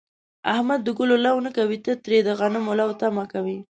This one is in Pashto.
احمد د گلو لو نه کوي، او ته ترې د غنمو لو تمه کوې.